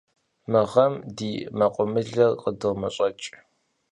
Мы гъэм ди мэкъумылэр къыдомэщӏэкӏ.